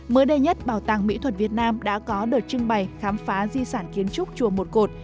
mới đây nhất bảo tàng mỹ thuật việt nam đã có đợt trưng bày khám phá di sản kiến trúc chùa một cột